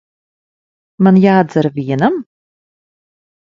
Man jādzer vienam?